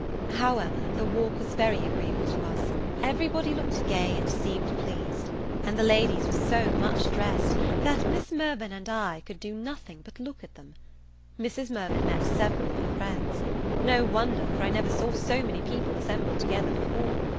However, the walk was very agreeable to us; every body looked gay, and seemed pleased; and the ladies were so much dressed, that Miss Mirvan and I could do nothing but look at them. Mrs. Mirvan met several of her friends. No wonder, for I never saw so many people assembled together before.